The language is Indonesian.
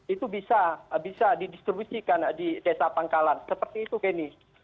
itu bisa didistribusikan di desa pangkalan seperti itu kenny